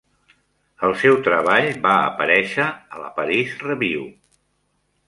El seu treball va aparèixer a la "Paris Review".